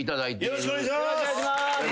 よろしくお願いします！